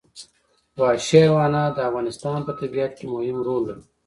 وحشي حیوانات د افغانستان په طبیعت کې مهم رول لري.